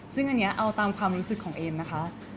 ซึ่งอันนี้เอาตามความรู้สึกของเอมนะคะ